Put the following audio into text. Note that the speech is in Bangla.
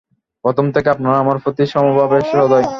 প্রথম থেকে আপনারা আমার প্রতি সমভাবে সদয়।